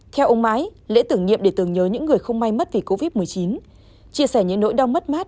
theo ông mãi lễ tưởng niệm để tưởng nhớ những người không may mất vì covid một mươi chín chia sẻ những nỗi đau mất mát